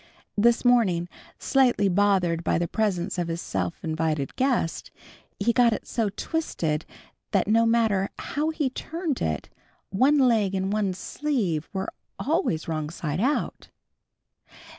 This morning, slightly bothered by the presence of his self invited guest, he got it so twisted that no matter how he turned it, one leg and one sleeve were always wrong side out.